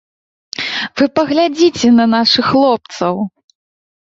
Вы паглядзіце на нашых хлопцаў.